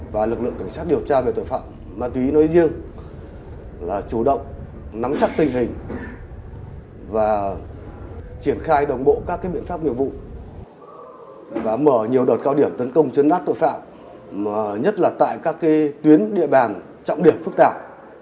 và lực lượng cảnh sát điều tra về tội phạm ma túy nói riêng là chủ động nắm chắc tình hình và triển khai đồng bộ các biện pháp nghiệp vụ và mở nhiều đợt cao điểm tấn công chấn áp tội phạm nhất là tại các tuyến địa bàn trọng điểm phức tạp